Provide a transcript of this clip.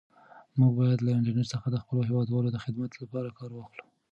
موږ باید له انټرنیټ څخه د خپلو هیوادوالو د خدمت لپاره کار واخلو.